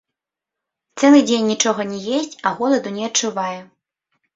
Цэлы дзень нічога не есць, а голаду не адчувае.